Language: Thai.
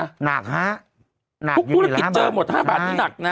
นักฮะนักอยู่ทีละ๕บาทพวกธุรกิจเจอหมด๕บาทนี่นักนะ